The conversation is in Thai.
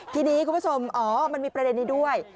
ทีนี้คุณผู้ชมอ๋อมันมีประเด็นนี้ด้วย